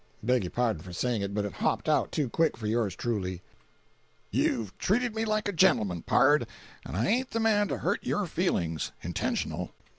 Beg your pardon for saying it, but it hopped out too quick for yours truly. "You've treated me like a gentleman, pard, and I ain't the man to hurt your feelings intentional.